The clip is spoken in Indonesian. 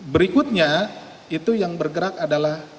berikutnya itu yang bergerak adalah